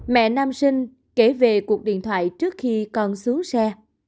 mẹ nam sinh kể về cuộc điện thoại trước khi con xuống xe